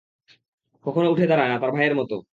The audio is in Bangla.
কখনো উঠে দাঁড়ায় না, তার ভাইয়ের মতো।